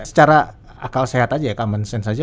secara akal sehat aja ya common sense aja ya